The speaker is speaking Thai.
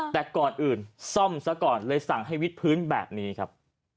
แต่ก่อนอื่นซ่อมซะก่อนเลยสั่งให้วิดพื้นแบบนี้ครับ